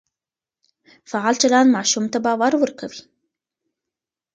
فعال چلند ماشوم ته باور ورکوي.